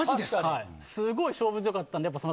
すごい勝負強かったので。